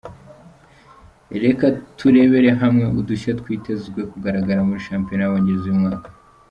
Reka turebere hamwe udushya twitezwe kugaragara muri Shampiyona y’Abongereza uyu mwaka.